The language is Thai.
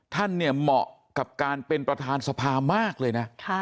ท่านเนี่ยเหมาะกับการเป็นประธานสภามากเลยนะ